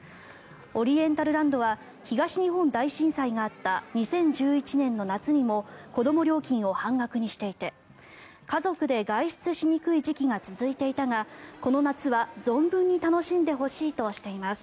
オリエンタルランドは東日本大震災があった２０１１年の夏にも子ども料金を半額にしていて家族で外出しにくい時期が続いていたがこの夏は存分に楽しんでほしいとしています。